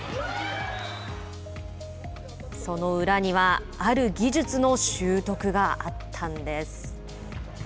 その裏にはある技術の習得があったんです。